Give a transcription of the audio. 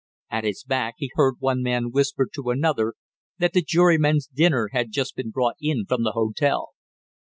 At his back he heard one man whisper to another that the jurymen's dinner had just been brought in from the hotel.